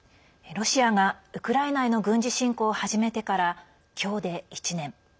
ロシアがウクライナへの軍事侵攻を始めてから今日で１年。